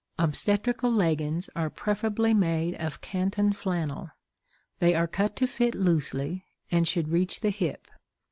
Obstetrical leggins are preferably made of canton flannel; they are cut to fit loosely and should reach the hip.